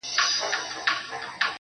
• اوس هم زما د وجود ټوله پرهرونه وايي.